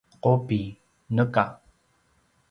qubi: neka